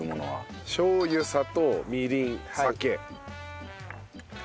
しょう油砂糖みりん酒。